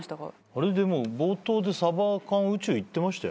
あれでも冒頭でサバ缶宇宙行ってましたよね？